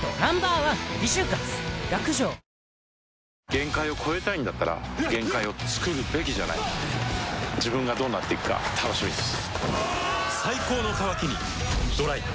限界を越えたいんだったら限界をつくるべきじゃない自分がどうなっていくか楽しみです